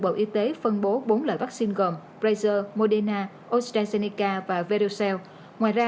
bộ y tế phân bố bốn loại vaccine gồm pfizer moderna astrazeneca và verocell ngoài ra